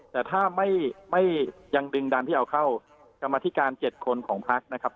แต่ถ้าไม่ยังดึงดันให้เอาเข้ากรรมธิการ๗คนของพักนะครับ